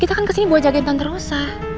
kita kan kesini buat jagain tante rosa